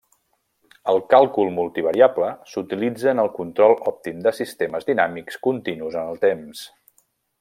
El càlcul multivariable s'utilitza en el control òptim de sistemes dinàmics continus en el temps.